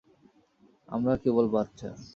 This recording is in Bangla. আমরা কেবল বাচ্চা।